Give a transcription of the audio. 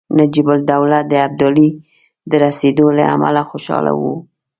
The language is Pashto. نجیب الدوله د ابدالي د رسېدلو له امله خوشاله وو.